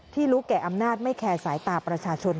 รู้แก่อำนาจไม่แคร์สายตาประชาชน